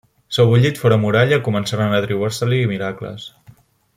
Sebollit fora muralla, començaren a atribuir-se-li miracles.